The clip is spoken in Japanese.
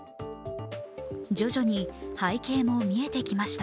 徐々に背景も見えてきました。